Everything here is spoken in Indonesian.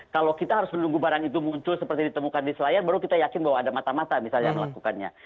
kalau kita harus menunggu barang itu muncul seperti ditemukan di selayar baru kita yakin bahwa ada mata mata misalnya melakukannya